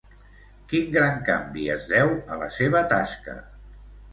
Quin gran canvi es deu a la seva tasca?